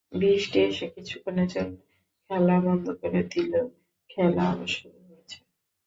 বৃষ্টি এসে কিছুক্ষণের জন্য খেলা বন্ধ করে দিলেও খেলা আবার শুরু হয়েছে।